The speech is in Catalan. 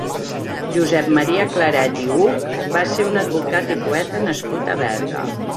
Josep Maria Claret i Huch va ser un advocat i poeta nascut a Berga.